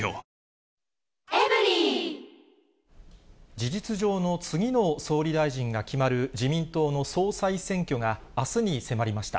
事実上の次の総理大臣が決まる自民党の総裁選挙があすに迫りました。